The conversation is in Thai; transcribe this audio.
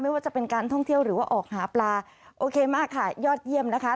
ว่าจะเป็นการท่องเที่ยวหรือว่าออกหาปลาโอเคมากค่ะยอดเยี่ยมนะคะ